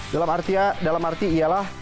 dalam arti ialah